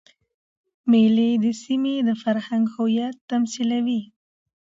مېلې د سیمي د فرهنګ هویت تمثیلوي.